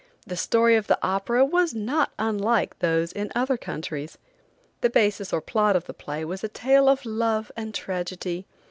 The story of the opera was not unlike those in other countries. The basis or plot of the play was a tale of love and tragedy.